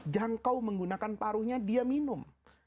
jangkau menggunakan paruhnya dia minum